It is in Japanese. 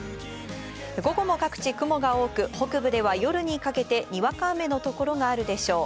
午後も各地、雲が多く、北部では夜にかけて、にわか雨の所があるでしょう。